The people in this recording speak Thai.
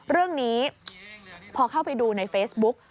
เรื่องนี้พอเข้าไปดูในเฟซบุ๊ก